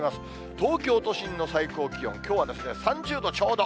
東京都心の最高気温、きょうは３０度ちょうど。